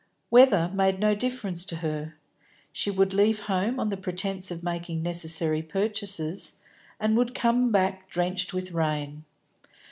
Weather made no difference to her; she would leave home on the pretence of making necessary purchases, and would come back drenched with rain.